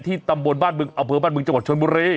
ที่ตำรวจบ้านบึงอเบอร์บ้านบึงจังหวัดชนบุรี